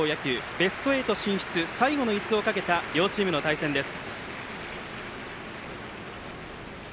ベスト８進出最後のいすをかけた両チームの対戦です。